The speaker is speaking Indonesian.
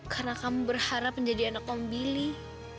karena kamu berharap menjadi anak memilih